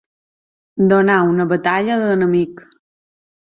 Donar una batalla a l'enemic.